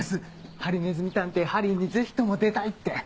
『ハリネズミ探偵・ハリー』にぜひとも出たいって。